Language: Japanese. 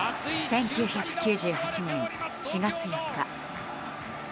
１９９８年４月４日。